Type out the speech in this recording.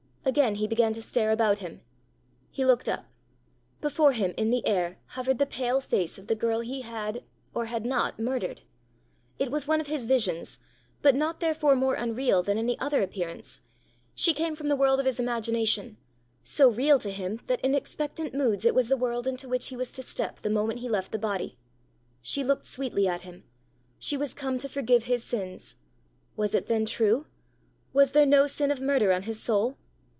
Again he began to stare about him. He looked up. Before him in the air hovered the pale face of the girl he had or had not murdered! It was one of his visions but not therefore more unreal than any other appearance: she came from the world of his imagination so real to him that in expectant moods it was the world into which he was to step the moment he left the body. She looked sweetly at him! She was come to forgive his sins! Was it then true? Was there no sin of murder on his soul?